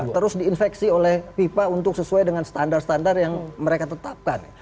terus diinfeksi oleh pipa untuk sesuai dengan standar standar yang mereka tetapkan